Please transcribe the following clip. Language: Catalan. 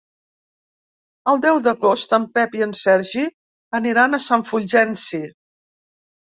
El deu d'agost en Pep i en Sergi aniran a Sant Fulgenci.